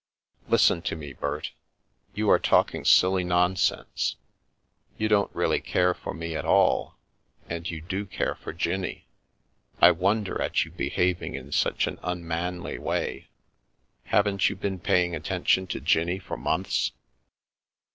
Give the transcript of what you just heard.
" Listen to me, Bert. You are talking silly nonsense. You don't really care for me at all, and you do care for Jinnie. I wonder at you behaving in such an unmanly way; haven't you been paying attention to Jinnie for months